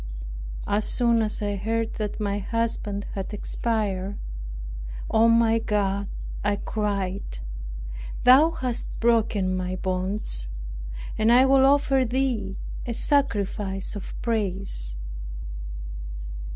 As soon as I heard that my husband had expired, "Oh, my God," I cried, "thou hast broken my bonds, and I will offer thee a sacrifice of praise."